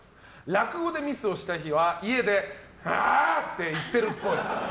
落語でミスをした日は家で「あ゛ぁ！」って言ってるっぽい。